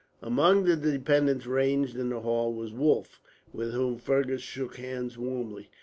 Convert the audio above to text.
Among the dependents ranged in the hall was Wulf, with whom Fergus shook hands warmly.